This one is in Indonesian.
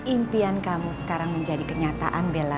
impian kamu sekarang menjadi kenyataan bella